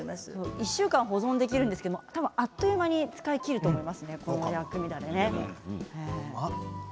１週間保存できるんですけど多分あっという間に使い切ると思います、この薬味だれ。